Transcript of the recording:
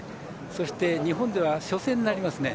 そして日本では初戦になりますね。